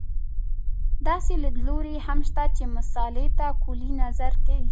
داسې لیدلوري هم شته چې مسألې ته کُلي نظر کوي.